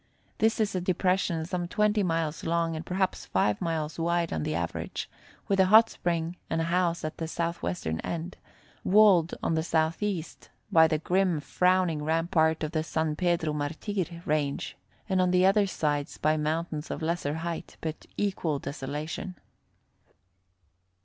This is a depression some twenty miles long and perhaps five miles wide on the average, with a hot spring and a house at the southwestern end, walled on the southeast by the grim frowning rampart of the San Pedro Martir range, and on the other sides by mountains of lesser height, but equal desolation.